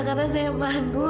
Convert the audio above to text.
karena saya mandu